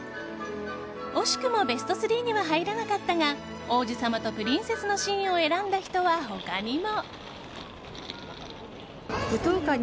惜しくもベスト３には入らなかったが王子様とプリンセスのシーンを選んだ人は他にも。